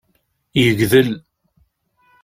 Yegdel.